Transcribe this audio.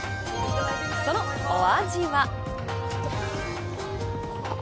そのお味は。